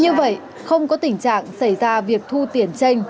như vậy không có tình trạng xảy ra việc thu tiền tranh